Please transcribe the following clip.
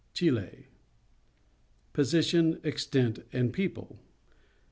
CHILE Position, Extent, and People.